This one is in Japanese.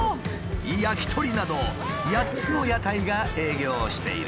焼き鳥など８つの屋台が営業している。